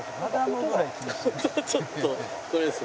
音ちょっとこれです。